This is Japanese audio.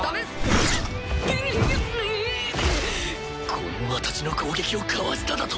この私の攻撃をかわしただと？